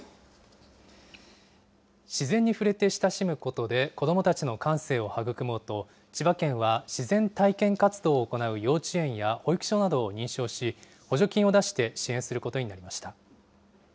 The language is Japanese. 自然に触れて親しむことで子どもたちの感性を育もうと、千葉県は自然体験活動を行う幼稚園や保育所などを認証し、補助金を出して支援することになりました。